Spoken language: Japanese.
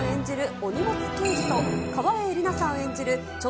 お荷物刑事と、川栄李奈さん演じるちょ